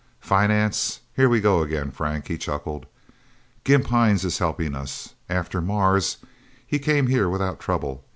"Finance here we go again, Frank!" he chuckled. "Gimp Hines is helping us. After Mars, he came here without trouble.